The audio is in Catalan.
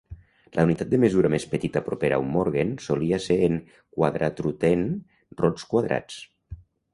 La unitat de mesura més petita propera a un morgen solia ser en "quadratruten" rods quadrats.